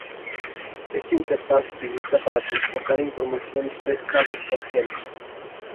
Esta interfaz utiliza para transportar información tres cables coaxiales.